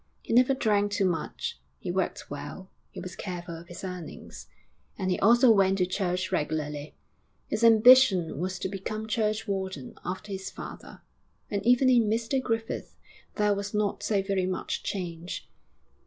He never drank too much, he worked well, he was careful of his earnings, and he also went to church regularly; his ambition was to become churchwarden after his father. And even in Mr Griffith there was not so very much change.